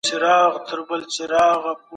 تاسو د غريبانو سره غمرازي وکړئ.